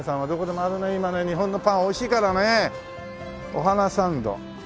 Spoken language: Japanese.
「お花サンド」